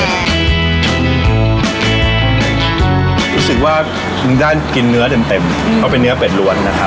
รู้สึกว่าถึงได้กินเนื้อเต็มเพราะเป็นเนื้อเป็ดล้วนนะครับ